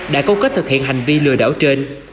đã câu kết thực hiện hành vi lừa đảo trên